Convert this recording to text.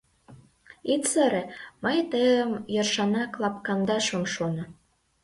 — Ит сыре, мый тыйым йӧршынак лапкаҥдаш ом шоно.